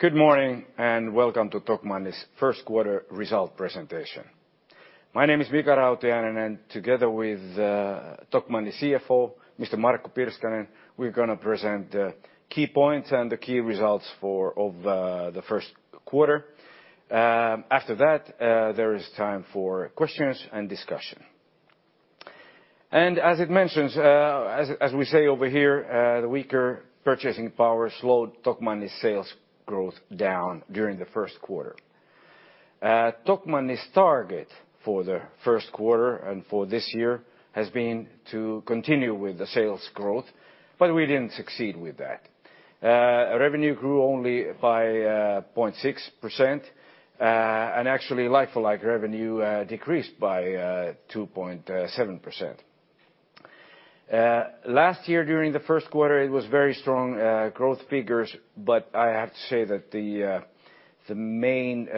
Good morning, and welcome to Tokmanni's first quarter result presentation. My name is Mika Rautiainen, and together with Tokmanni CFO, Mr. Markku Pirskanen, we're gonna present the key points and the key results of the first quarter. After that, there is time for questions and discussion. As we say over here, the weaker purchasing power slowed Tokmanni's sales growth down during the first quarter. Tokmanni's target for the first quarter and for this year has been to continue with the sales growth, but we didn't succeed with that. Revenue grew only by 0.6%, and actually like-for-like revenue decreased by 2.7%. Last year during the first quarter, it was very strong growth figures, but I have to say that the main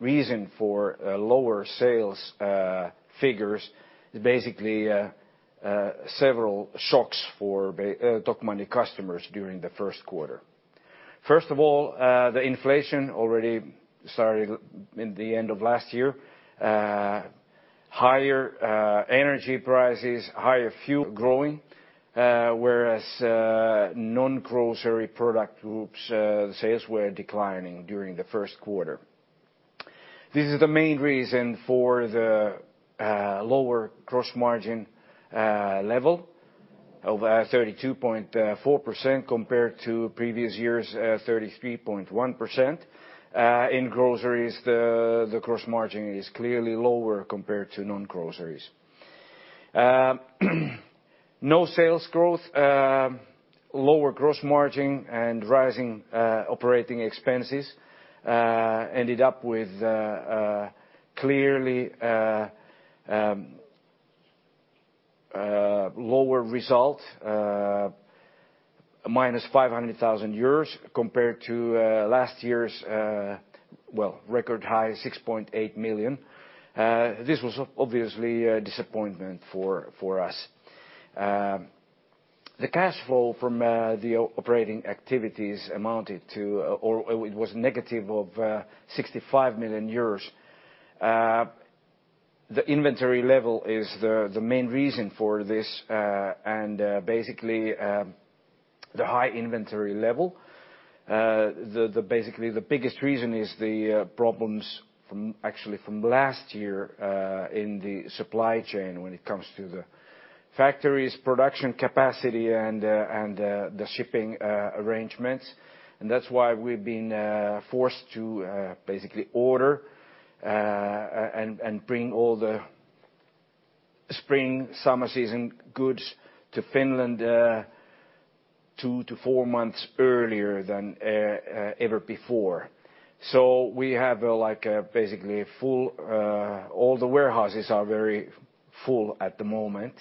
reason for lower sales figures is basically several shocks for Tokmanni customers during the first quarter. First of all, the inflation already started in the end of last year. Higher energy prices, higher fuel growing, whereas non-grocery product groups sales were declining during the first quarter. This is the main reason for the lower gross margin level of 32.4% compared to previous year's 33.1%. In groceries the gross margin is clearly lower compared to non-groceries. No sales growth, lower gross margin and rising operating expenses ended up with clearly lower result. -500,000 euros compared to last year's well record high 6.8 million. This was obviously a disappointment for us. The cash flow from the operating activities amounted to, or it was -65 million euros. The inventory level is the main reason for this, and basically the high inventory level. Basically the biggest reason is the problems actually from last year in the supply chain when it comes to the factories, production capacity and the shipping arrangements. That's why we've been forced to basically order and bring all the spring, summer season goods to Finland tow to four months earlier than ever before. We have like a basically full. All the warehouses are very full at the moment.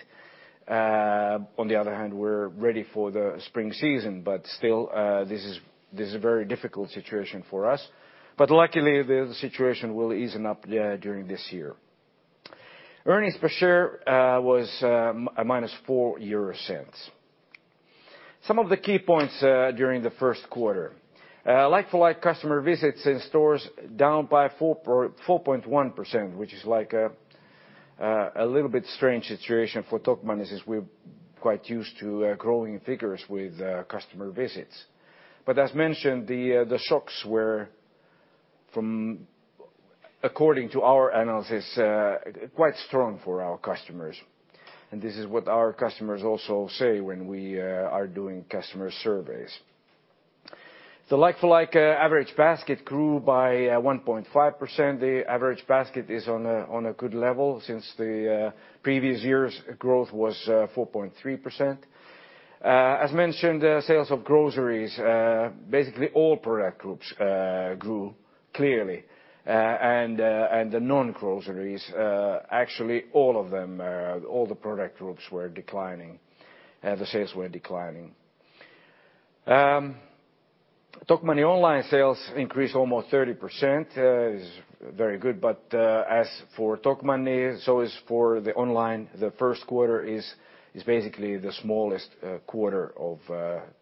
On the other hand, we're ready for the spring season, but still, this is a very difficult situation for us. Luckily the situation will ease up during this year. Earnings per share was -0.04. Some of the key points during the first quarter. Like-for-like customer visits in stores down by 4.1%, which is like a little bit strange situation for Tokmanni is we're quite used to growing figures with customer visits. As mentioned, the shocks were from, according to our analysis, quite strong for our customers. This is what our customers also say when we are doing customer surveys. The like-for-like average basket grew by 1.5%. The average basket is on a good level since the previous year's growth was 4.3%. As mentioned, sales of groceries basically all product groups grew clearly. The non-groceries actually all the product groups were declining. The sales were declining. Tokmanni online sales increased almost 30%. It is very good, but as for Tokmanni online, the first quarter is basically the smallest quarter of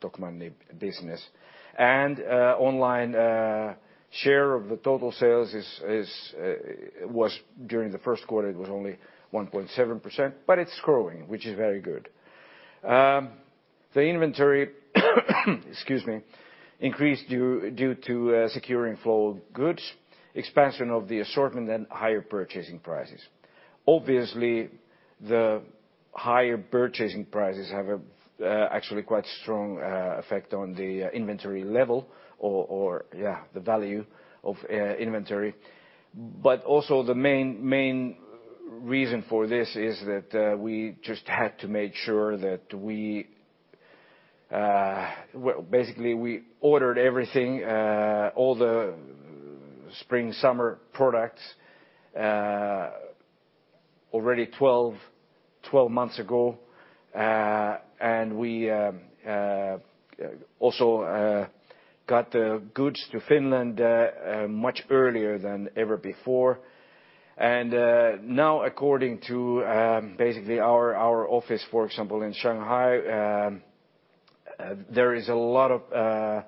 Tokmanni business. Online share of the total sales was during the first quarter only 1.7%, but it's growing, which is very good. The inventory increased due to securing flow of goods, expansion of the assortment and higher purchasing prices. Obviously, the higher purchasing prices have actually quite strong effect on the inventory level or, yeah, the value of inventory. Also the main reason for this is that we just had to make sure that we well, basically we ordered everything, all the spring summer products already 12 months ago. We also got the goods to Finland much earlier than ever before. Now according to basically our office, for example in Shanghai, there is a lot of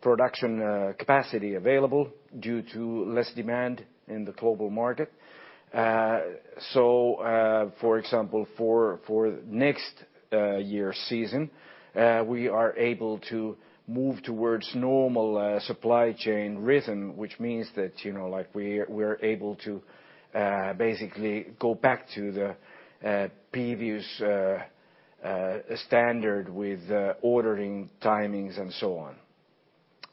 production capacity available due to less demand in the global market. So, for example, for next year season, we are able to move towards normal supply chain rhythm, which means that, you know, like, we're able to basically go back to the previous standard with ordering timings and so on.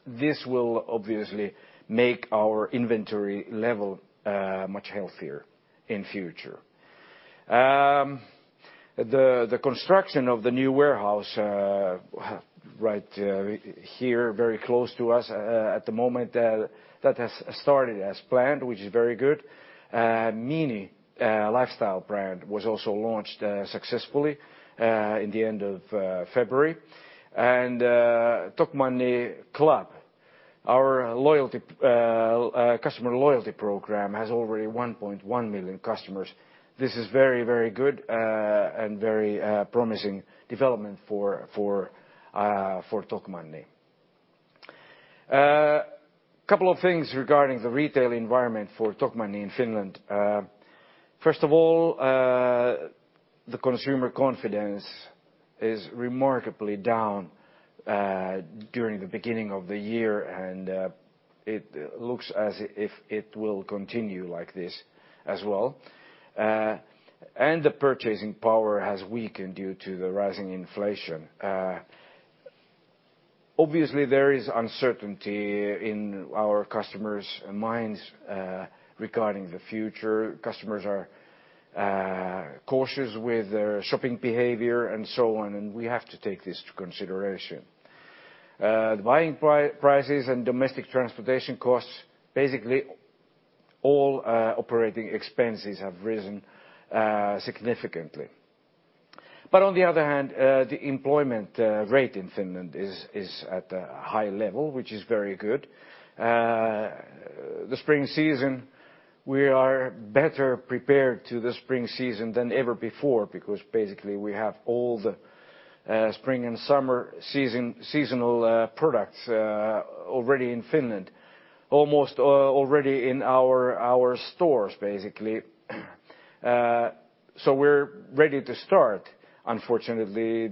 This will obviously make our inventory level much healthier in future. The construction of the new warehouse right here, very close to us, at the moment, that has started as planned, which is very good. Miny Lifestyle Brand was also launched successfully in the end of February. Tokmanni Klubi, our customer loyalty program, has already 1.1 million customers. This is very good and very promising development for Tokmanni. Couple of things regarding the retail environment for Tokmanni in Finland. First of all, the consumer confidence is remarkably down during the beginning of the year, and it looks as if it will continue like this as well. The purchasing power has weakened due to the rising inflation. Obviously, there is uncertainty in our customers' minds regarding the future. Customers are cautious with their shopping behavior and so on, and we have to take this into consideration. The buying prices and domestic transportation costs, basically all operating expenses, have risen significantly. On the other hand, the employment rate in Finland is at a high level, which is very good. The spring season, we are better prepared to the spring season than ever before because basically we have all the spring and summer season seasonal products already in Finland. Almost already in our stores, basically. We're ready to start. Unfortunately,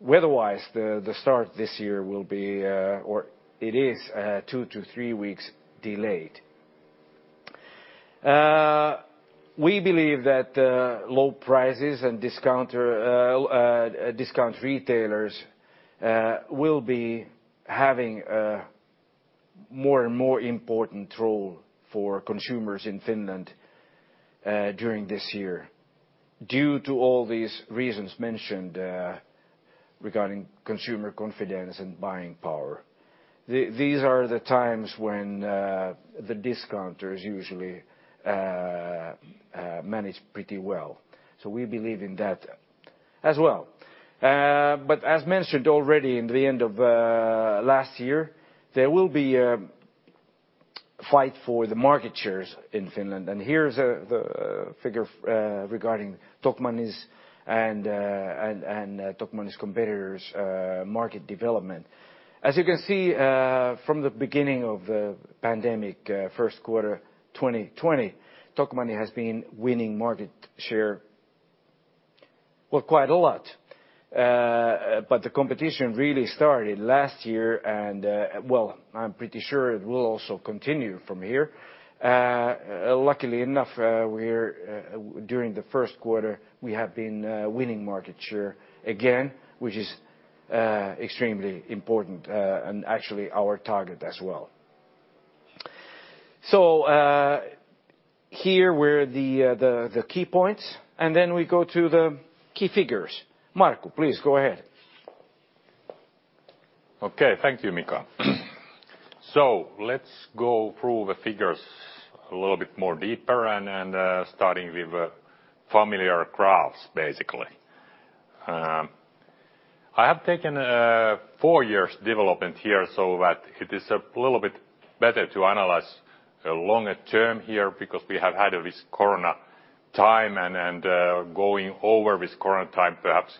weather-wise, the start this year will be, or it is, two to three weeks delayed. We believe that low prices and discount retailers will be having a more and more important role for consumers in Finland during this year due to all these reasons mentioned regarding consumer confidence and buying power. These are the times when the discounters usually manage pretty well. We believe in that as well. As mentioned already in the end of last year, there will be a fight for the market shares in Finland, and here's the figure regarding Tokmanni's and Tokmanni's competitors' market development. As you can see, from the beginning of the pandemic, first quarter 2020, Tokmanni has been winning market share, well, quite a lot. The competition really started last year and, well, I'm pretty sure it will also continue from here. Luckily enough, during the first quarter, we have been winning market share again, which is extremely important, and actually our target as well. Here were the key points, and then we go to the key figures. Markku, please go ahead. Okay, thank you, Mika. Let's go through the figures a little bit more deeper and starting with familiar graphs, basically. I have taken four years development here so that it is a little bit better to analyze a longer term here because we have had this Corona time and going over this Corona time perhaps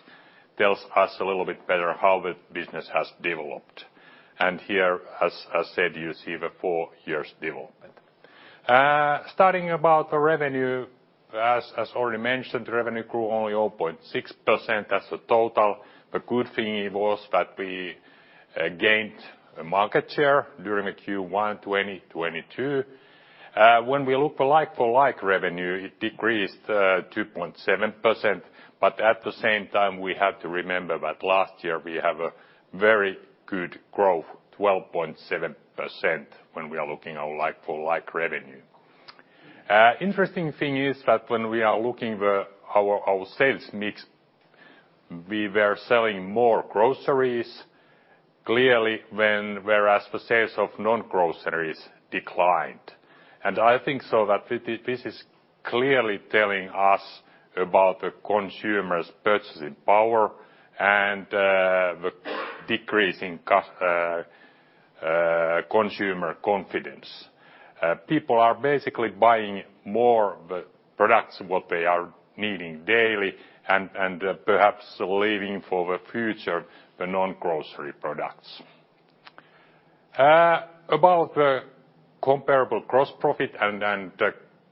tells us a little bit better how the business has developed. Here, as said, you see the four years development. Starting about the revenue, as already mentioned, revenue grew only 0.6% as a total. The good thing it was that we gained a market share during Q1 2022. When we look for like-for-like revenue, it decreased 2.7%, but at the same time, we have to remember that last year we have a very good growth, 12.7% when we are looking at like-for-like revenue. Interesting thing is that when we are looking at our sales mix, we were selling more groceries clearly, whereas the sales of non-groceries declined. I think so that this is clearly telling us about the consumer's purchasing power and the decreasing consumer confidence. People are basically buying more the products what they are needing daily and perhaps leaving for the future the non-grocery products. About the comparable gross profit and then the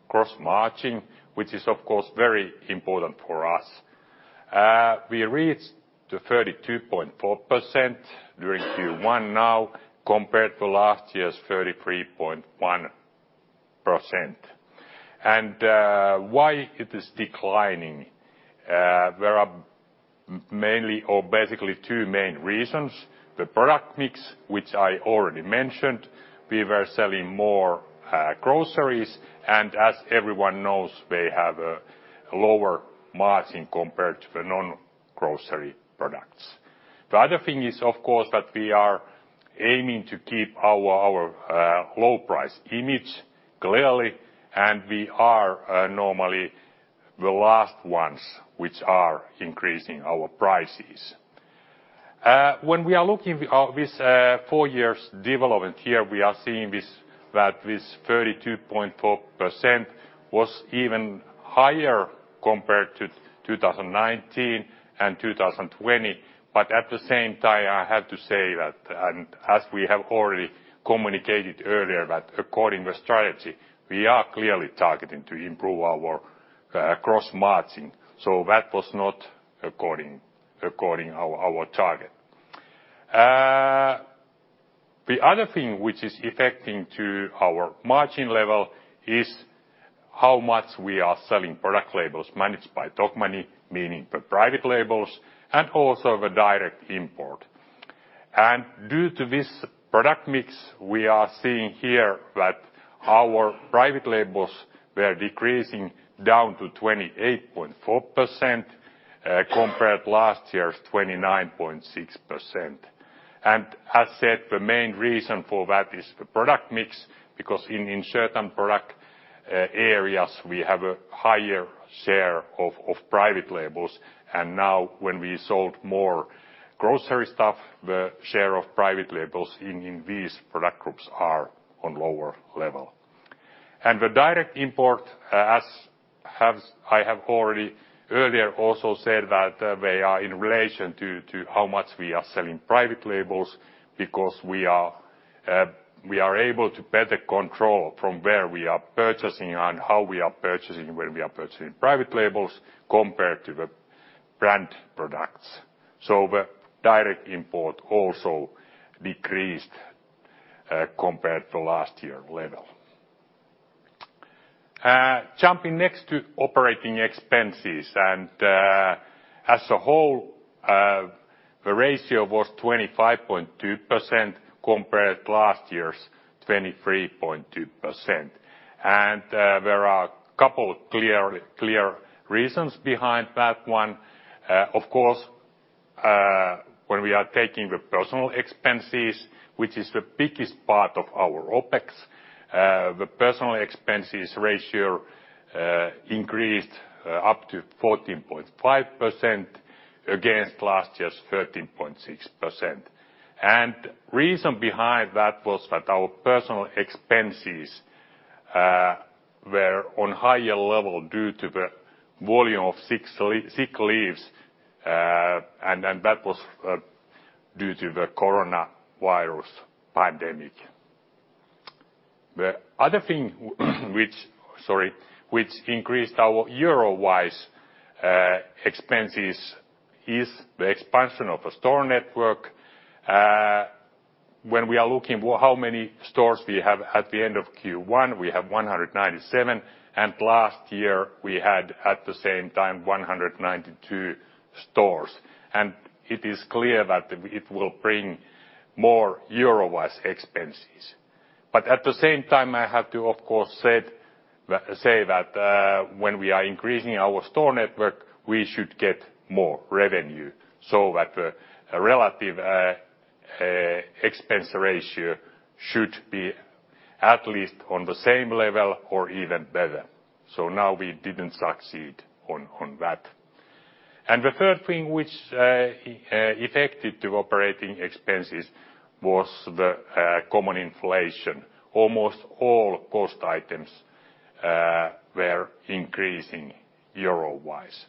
gross margin, which is of course very important for us. We reached to 32.4% during Q1 now compared to last year's 33.1%. Why it is declining? There are mainly or basically two main reasons. The product mix, which I already mentioned, we were selling more groceries, and as everyone knows, they have a lower margin compared to the non-grocery products. The other thing is, of course, that we are aiming to keep our low price image clearly, and we are normally the last ones which are increasing our prices. When we are looking at this four years development here, we are seeing this, that this 32.4% was even higher compared to 2019 and 2020. At the same time, I have to say that, and as we have already communicated earlier, that according to the strategy, we are clearly targeting to improve our gross margin. That was not according to our target. The other thing which is affecting to our margin level is how much we are selling product labels managed by Tokmanni, meaning the private labels and also the direct import. Due to this product mix, we are seeing here that our private labels were decreasing down to 28.4%, compared last year's 29.6%. As said, the main reason for that is the product mix, because in certain product areas, we have a higher share of private labels. Now when we sold more grocery stuff, the share of private labels in these product groups are on lower level. The direct import, I have already earlier also said that they are in relation to how much we are selling private labels because we are able to better control from where we are purchasing and how we are purchasing when we are purchasing private labels compared to the brand products. The direct import also decreased compared to last year level. Jumping next to operating expenses and as a whole, the ratio was 25.2% compared to last year's 23.2%. There are a couple clear reasons behind that one. Of course, when we are taking the personal expenses, which is the biggest part of our OpEx, the personal expenses ratio increased up to 14.5% against last year's 13.6%. Reason behind that was that our personal expenses were on higher level due to the volume of sick leaves, and then that was due to the coronavirus pandemic. The other thing which increased our euro-wise expenses is the expansion of a store network. When we are looking for how many stores we have at the end of Q1, we have 197, and last year we had at the same time 192 stores. It is clear that it will bring more euro-wise expenses. At the same time, I have to of course say that when we are increasing our store network, we should get more revenue. At the relative expense ratio should be at least on the same level or even better. Now we didn't succeed on that. The third thing which affected the operating expenses was the cost inflation. Almost all cost items were increasing euro-wise.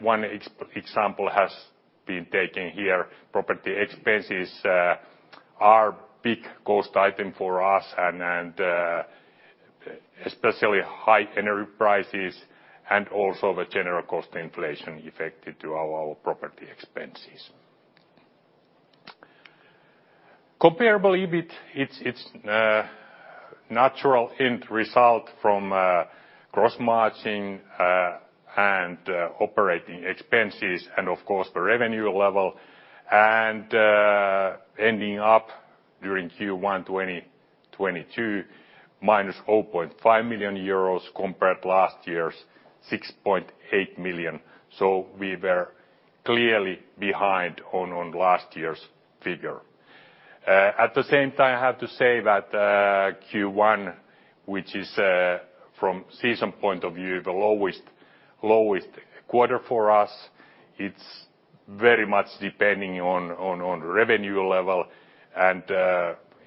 One example has been taken here. Property expenses are big cost item for us and especially high energy prices and also the general cost inflation affected our property expenses. Comparable EBIT, it's natural end result from gross margin and operating expenses and of course the revenue level and ending up during Q1 2022, -0.5 million euros compared to last year's 6.8 million. We were clearly behind on last year's figure. At the same time, I have to say that Q1, which is from seasonal point of view, the lowest quarter for us, it's very much depending on revenue level.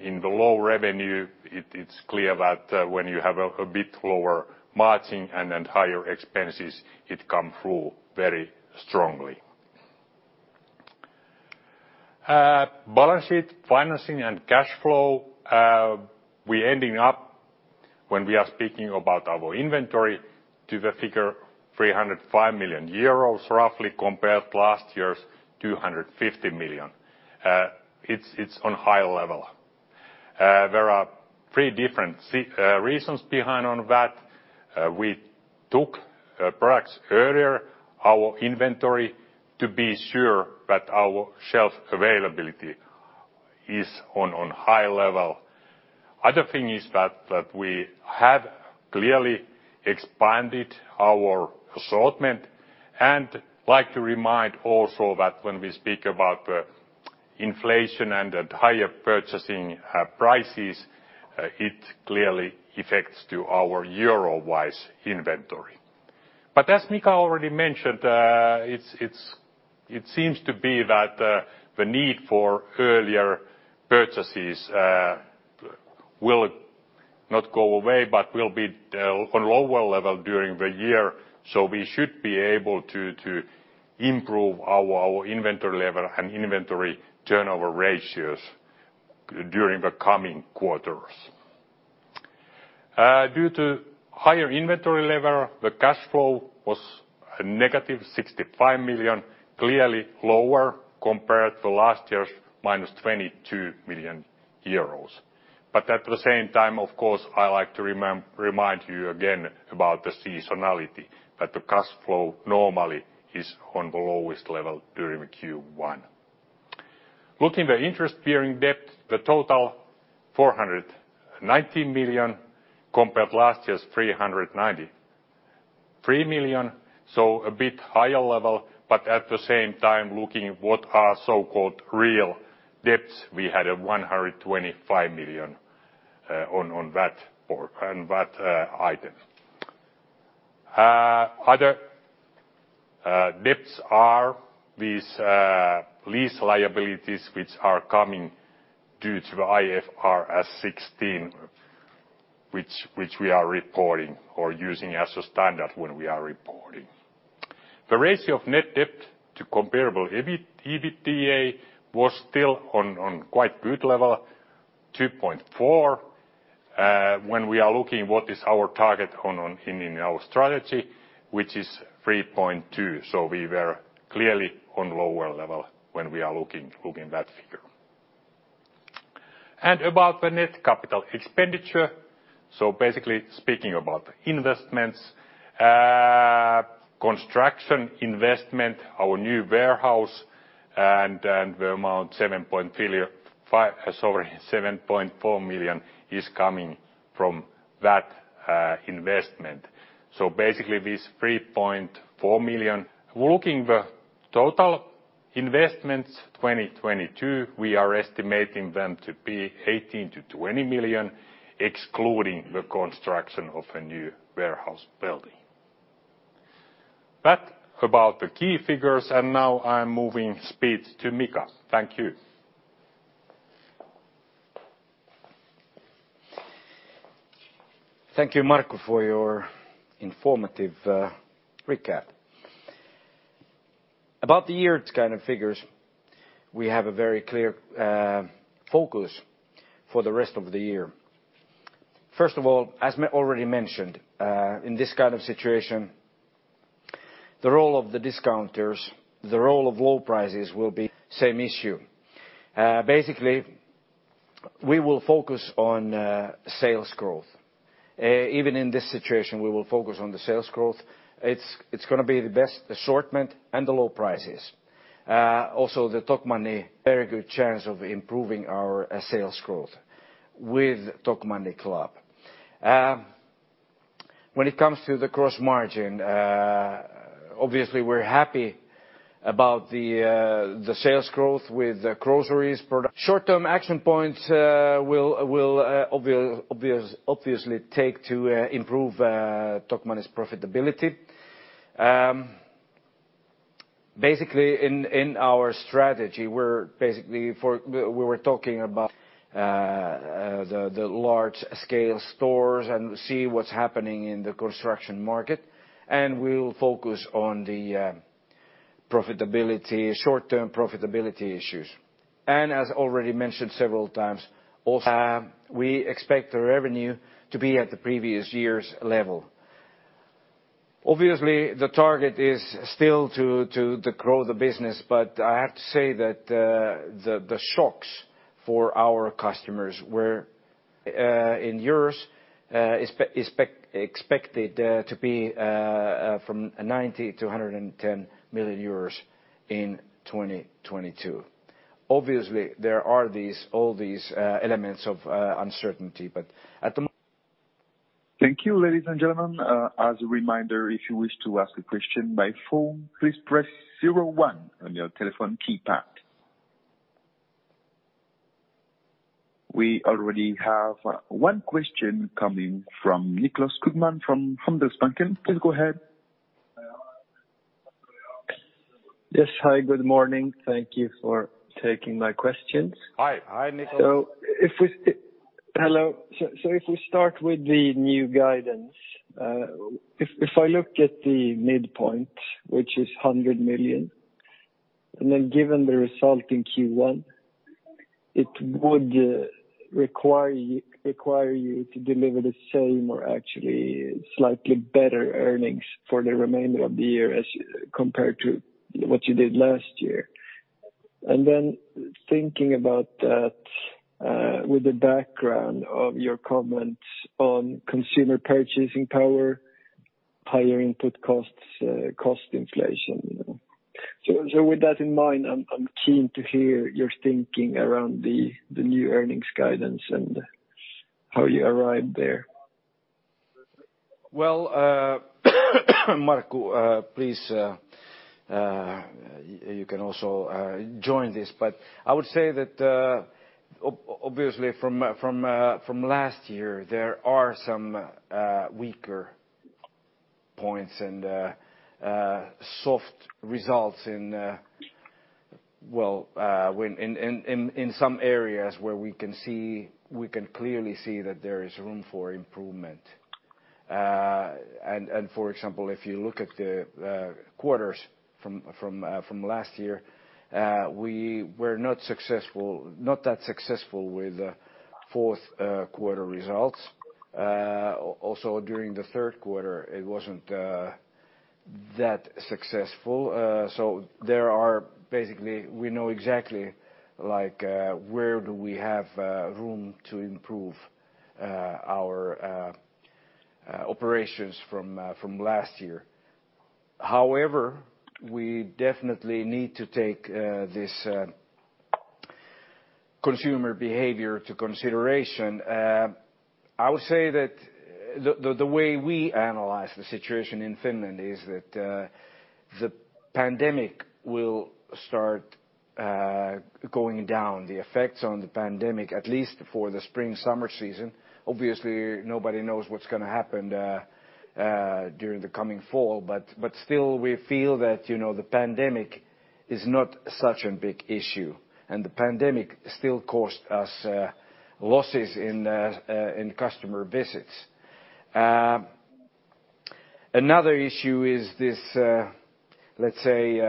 In the low revenue, it's clear that when you have a bit lower margin and higher expenses, it come through very strongly. Balance sheet, financing and cash flow, we ended up, when we are speaking about our inventory, to the figure 305 million euros, roughly, compared to last year's 250 million. It's on high level. There are three different reasons behind that. We took products earlier into our inventory to be sure that our shelf availability is on high level. Other thing is that we have clearly expanded our assortment. I'd like to remind also that when we speak about the inflation and the higher purchasing prices, it clearly affects our euro-wise inventory. As Mika already mentioned, it seems that the need for earlier purchases will not go away, but will be on lower level during the year. We should be able to improve our inventory level and inventory turnover ratios during the coming quarters. Due to higher inventory level, the cash flow was -65 million, clearly lower compared to last year's -22 million euros. At the same time, of course, I like to remind you again about the seasonality, that the cash flow normally is on the lowest level during Q1. Looking at the interest-bearing debt, the total 419 million, compared to last year's 393 million, so a bit higher level. At the same time, looking at what are so-called real debts, we had 125 million on that item. Other debts are these lease liabilities which are coming due to IFRS 16, which we are reporting or using as a standard when we are reporting. The ratio of net debt to comparable EBITDA was still on quite good level, 2.4, when we are looking what is our target in our strategy, which is 3.2. We were clearly on lower level when we are looking that figure. About the net capital expenditure, basically speaking about investments, construction investment, our new warehouse and the amount 7.4 million is coming from that investment. Basically this 3.4 million. We're looking the total investments, 2022, we are estimating them to be 18-20 million, excluding the construction of a new warehouse building. That's about the key figures, and now I am handing over to Mika. Thank you. Thank you, Mika Rautiainen, for your informative recap. About the year kind of figures, we have a very clear focus for the rest of the year. First of all, as we already mentioned, in this kind of situation, the role of the discounters, the role of low prices will be same issue. Basically, we will focus on sales growth. Even in this situation, we will focus on the sales growth. It's gonna be the best assortment and the low prices. Also the Tokmanni, very good chance of improving our sales growth with Tokmanni Klubi. When it comes to the gross margin, obviously, we're happy about the sales growth. Short-term action points, we'll obviously take to improve Tokmanni's profitability. Basically, in our strategy, we were talking about the large scale stores and see what's happening in the construction market. We'll focus on the profitability, short-term profitability issues. As already mentioned several times, also, we expect the revenue to be at the previous year's level. Obviously, the target is still to grow the business, but I have to say that the shocks for our customers were in euros expected to be from 90 million-110 million euros in 2022. Obviously, there are all these elements of uncertainty, but at the Thank you, ladies and gentlemen. As a reminder, if you wish to ask a question by phone, please press zero one on your telephone keypad. We already have one question coming from Nicklas Skogman from Handelsbanken. Please go ahead. Yes. Hi, good morning. Thank you for taking my questions. Hi. Hi, Nicklas. If we start with the new guidance, if I look at the midpoint, which is 100 million, and then given the result in Q1, it would require you to deliver the same or actually slightly better earnings for the remainder of the year as compared to what you did last year. Thinking about that, with the background of your comments on consumer purchasing power, higher input costs, cost inflation. With that in mind, I'm keen to hear your thinking around the new earnings guidance and how you arrived there. Well, Markku, please, you can also join this, but I would say that, obviously from last year, there are some weaker points and soft results in, well, some areas where we can see, we can clearly see that there is room for improvement. For example, if you look at the quarters from last year, we were not successful, not that successful with fourth quarter results. Also during the third quarter, it wasn't that successful. We know exactly, like, where we have room to improve our operations from last year. However, we definitely need to take this consumer behavior into consideration. I would say that the way we analyze the situation in Finland is that the pandemic will start going down, the effects of the pandemic, at least for the spring, summer season. Obviously, nobody knows what's gonna happen during the coming fall, but still, we feel that, you know, the pandemic is not such a big issue. The pandemic still cost us losses in customer visits. Another issue is this, let's say,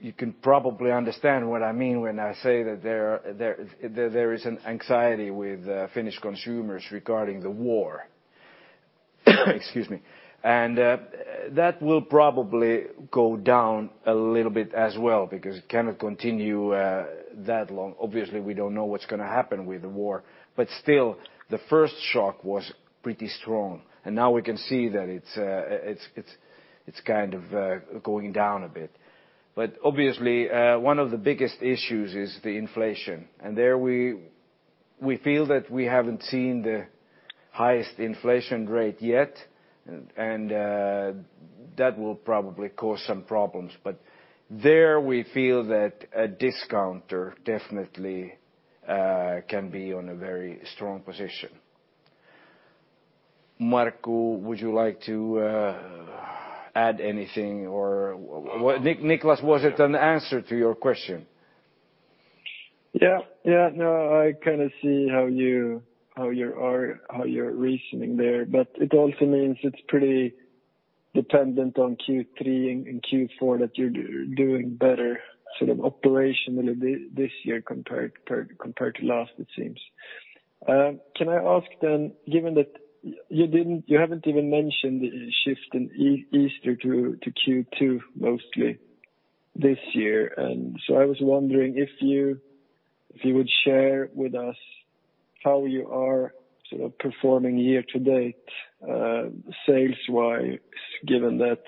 you can probably understand what I mean when I say that there is an anxiety with Finnish consumers regarding the war. Excuse me. That will probably go down a little bit as well because it cannot continue that long. Obviously, we don't know what's gonna happen with the war, but still, the first shock was pretty strong. Now we can see that it's kind of going down a bit. Obviously, one of the biggest issues is the inflation. There we feel that we haven't seen the highest inflation rate yet, and that will probably cause some problems. There we feel that a discounter definitely can be on a very strong position. Markku would you like to add anything or what, Nicklas Skogman, was it an answer to your question? Yeah, no, I kinda see how you're reasoning there, but it also means it's pretty dependent on Q3 and Q4 that you're doing better sort of operationally this year compared to last, it seems. Can I ask then, given that you haven't even mentioned the shift in Easter to Q2 mostly this year, I was wondering if you would share with us how you are sort of performing year to date, sales-wise, given that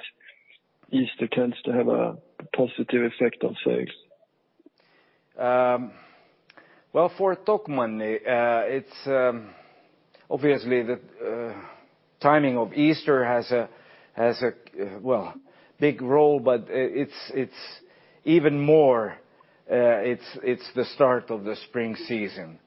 Easter tends to have a positive effect on sales. Well, for Tokmanni, it's obviously the timing of Easter has a well big role, but it's even more, it's the start of the spring season.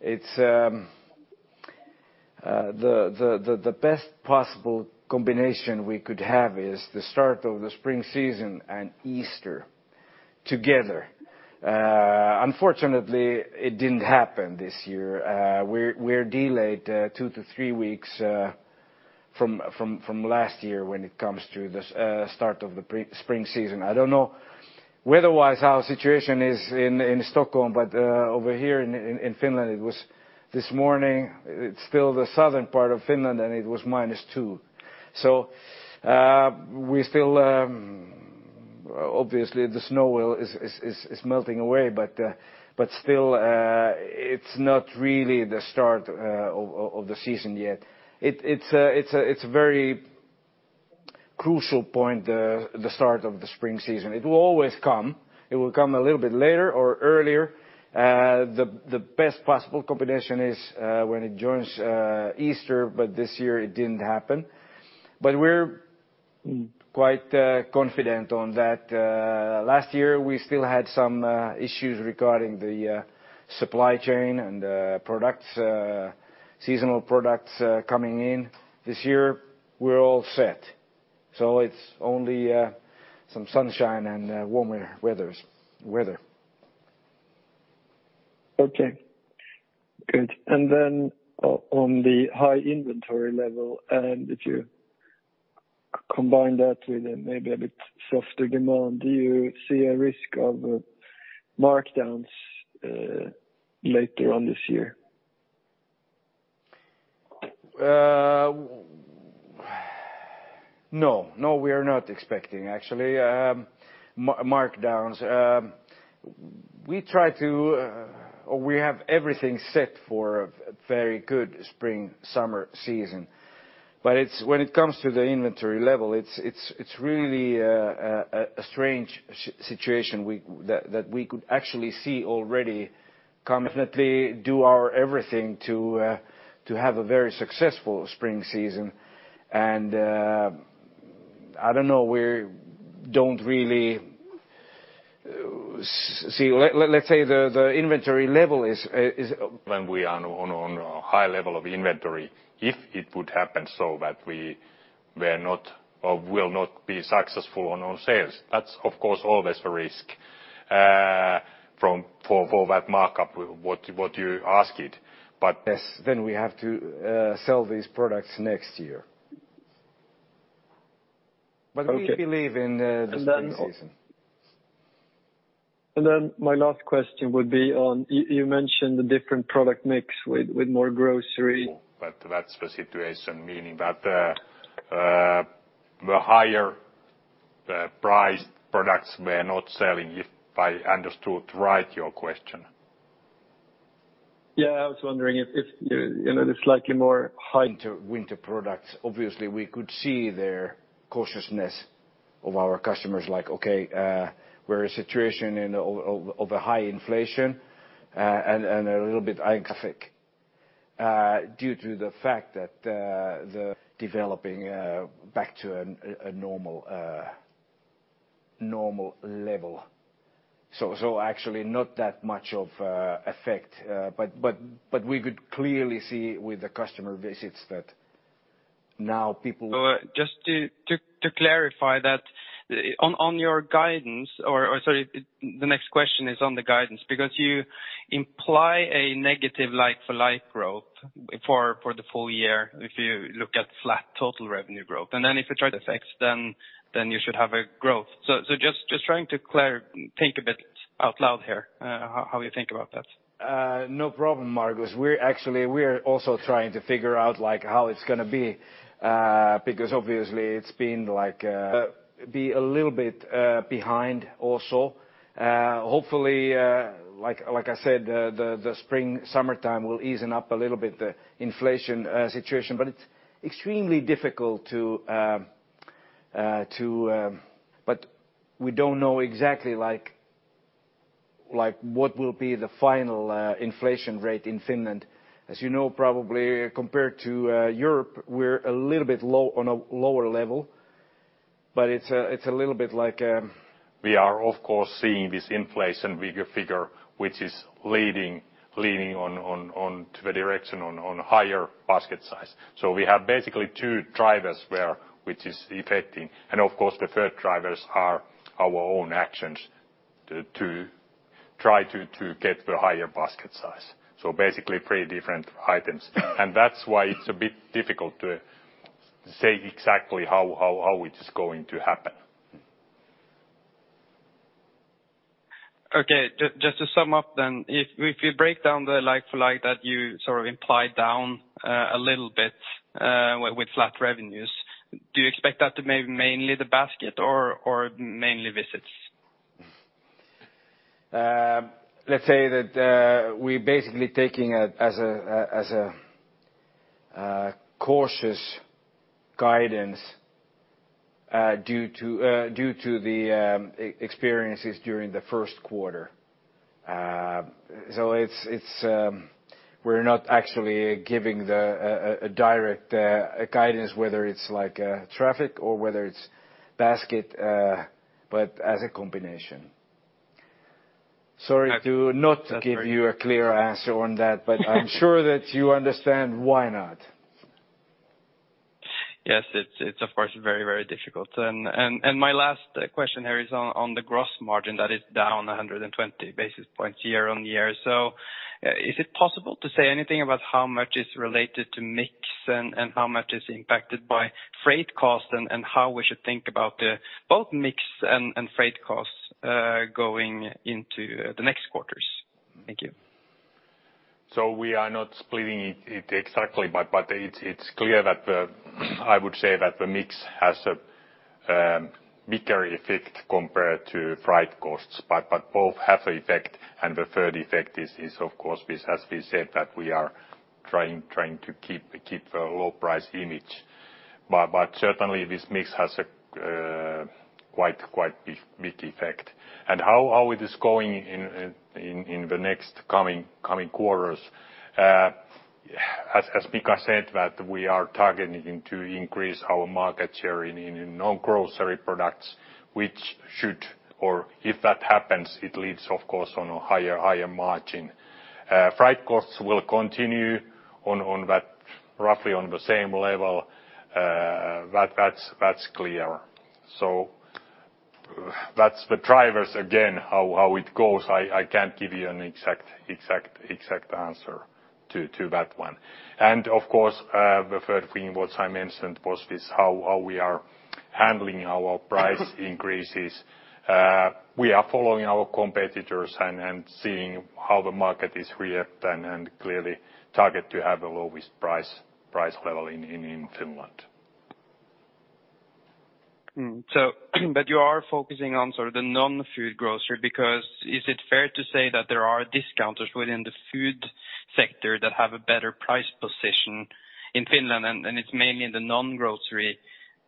It's the best possible combination we could have is the start of the spring season and Easter together. Unfortunately, it didn't happen this year. We're delayed two to three weeks from last year when it comes to the start of the pre-spring season. I don't know weather-wise how situation is in Stockholm, but over here in Finland, it was this morning, it's still the southern part of Finland, and it was -2 degrees Celsius. We still obviously the snow is melting away, but still, it's not really the start of the season yet. It's a very crucial point, the start of the spring season. It will always come. It will come a little bit later or earlier. The best possible combination is when it joins Easter, but this year it didn't happen. We're quite confident on that. Last year, we still had some issues regarding the supply chain and seasonal products coming in. This year, we're all set. It's only some sunshine and warmer weather. Okay. Good. On the high inventory level, and if you combine that with maybe a bit softer demand, do you see a risk of markdowns later on this year? No, we are not expecting actually, markdowns. We have everything set for a very good spring, summer season. When it comes to the inventory level, it's really a strange situation that we could actually see already confident we do everything to have a very successful spring season. I don't know, we don't really see. Let's say the inventory level is. When we are on a high level of inventory, if it would happen so that we were not or will not be successful on our sales. That's of course always a risk, for that markup, what you asked. Yes, we have to sell these products next year. Okay. We believe in the spring season. My last question would be on you mentioned the different product mix with more grocery. That's the situation, meaning that the higher the priced products we're not selling, if I understood right your question. Yeah. I was wondering if, you know, the slightly more high- Winter products. Obviously, we could see the cautiousness of our customers like, "Okay, we're in a situation of a high inflation, and a little bit due to the fact that developing back to a normal level. Actually not that much of effect. We could clearly see with the customer visits that now people- Just to clarify that, on your guidance. Sorry, the next question is on the guidance, because you imply a negative like-for-like growth for the full year if you look at flat total revenue growth. Then if you try to fix, then you should have a growth. Just trying to think a bit out loud here, how you think about that. No problem, Nicklas Skogman. We're actually also trying to figure out, like, how it's gonna be, because obviously it's been like a little bit behind also. Hopefully, like I said, the spring summertime will ease up a little bit the inflation situation. It's extremely difficult to. We don't know exactly like what will be the final inflation rate in Finland. As you know, probably compared to Europe, we're a little bit low, on a lower level. It's a little bit like. We are of course seeing this inflation figure, which is leading to the direction of higher basket size. We have basically two drivers which is affecting. Of course, the third drivers are our own actions to try to get the higher basket size. Basically three different items. That's why it's a bit difficult to say exactly how it is going to happen. Okay. Just to sum up then, if you break down the like-for-like that you sort of implied down a little bit with flat revenues, do you expect that to be mainly the basket or mainly visits? Let's say that we're basically taking it as a cautious guidance due to the experiences during the first quarter. We're not actually giving a direct guidance, whether it's like traffic or whether it's basket, but as a combination. Sorry to not give you a clear answer on that, but I'm sure that you understand why not. Yes. It's of course very difficult. My last question here is on the gross margin that is down 120 basis points year-on-year. Is it possible to say anything about how much is related to mix and how much is impacted by freight cost, and how we should think about both mix and freight costs going into the next quarters? Thank you. We are not splitting it exactly, but it's clear that the I would say that the mix has a bigger effect compared to freight costs. Both have effect and the third effect is of course, as we said, that we are Trying to keep a low price image. Certainly this mix has a quite big effect. How it is going in the next coming quarters. As Mika said, that we are targeting to increase our market share in non-grocery products. Which should or if that happens, it leads of course on a higher margin. Freight costs will continue on that, roughly on the same level. That's clear. That's the drivers again, how it goes. I can't give you an exact answer to that one. Of course, the third thing what I mentioned was this, how we are handling our price increases. We are following our competitors and seeing how the market is reacting and clearly targeting to have the lowest price level in Finland. You are focusing on sort of the non-food grocery because is it fair to say that there are discounters within the food sector that have a better price position in Finland? It's mainly in the non-grocery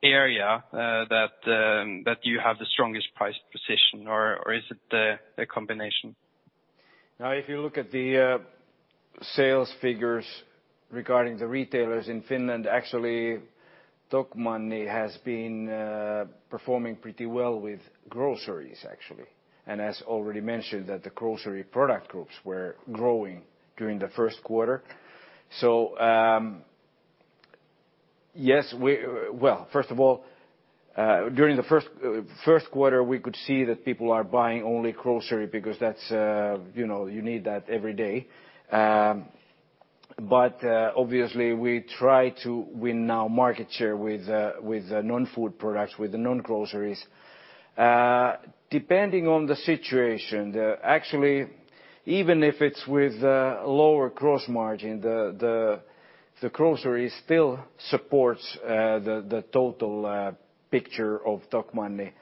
area that you have the strongest price position, or is it a combination? Now, if you look at the sales figures regarding the retailers in Finland, actually Tokmanni has been performing pretty well with groceries, actually. As already mentioned, that the grocery product groups were growing during the first quarter. Yes, we well, first of all, during the first quarter, we could see that people are buying only groceries because that's you know, you need that every day. Obviously we try to win now market share with non-food products, with the non-groceries. Depending on the situation, actually, even if it's with lower gross margin, the groceries still supports the total picture of Tokmanni.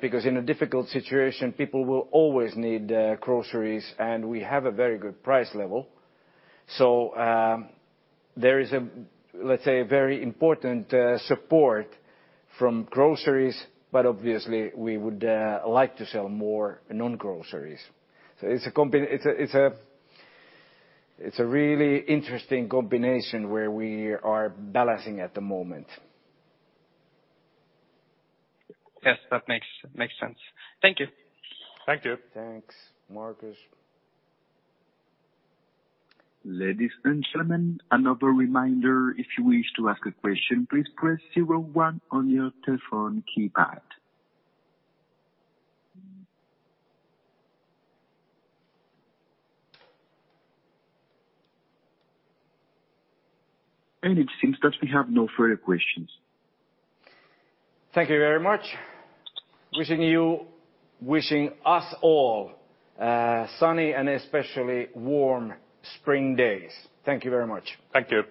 Because in a difficult situation, people will always need groceries, and we have a very good price level. There is, let's say, a very important support from groceries. Obviously we would like to sell more non-groceries. It's a really interesting combination where we are balancing at the moment. Yes, that makes sense. Thank you. Thank you. Thanks, Nicklas. Ladies and gentlemen, another reminder, if you wish to ask a question, please press zero one on your telephone keypad. It seems that we have no further questions. Thank you very much. Wishing us all sunny and especially warm spring days. Thank you very much. Thank you.